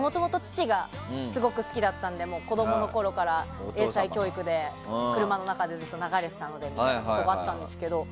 もともと父がすごく好きだったので子供のころから英才教育で車の中でずっと流れていたんですけど。